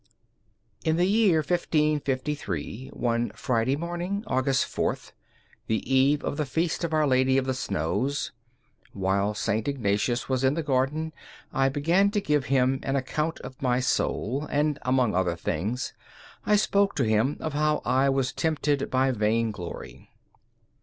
In the year 1553, one Friday morning, August 4, the eve of the feast of Our Lady of the Snows, while St. Ignatius was in the garden, I began to give him an account of my soul, and, among other things, I spoke to him of how I was tempted by vain glory.